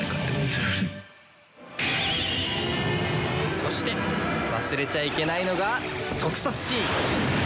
そして忘れちゃいけないのが特撮シーン！